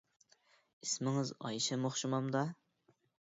ئىسمىڭىز ئايشەم ئوخشىمامدا؟